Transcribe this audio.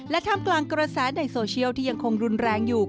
ท่ามกลางกระแสในโซเชียลที่ยังคงรุนแรงอยู่